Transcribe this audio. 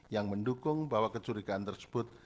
yang mendukung bahwa kecurigaan tersebut